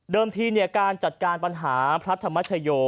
เดิมทีเนี่ยการจัดการปัญหาพระธรรมชโย